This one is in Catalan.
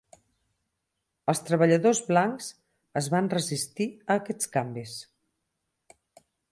Els treballadors blancs es van resistir a aquests canvis.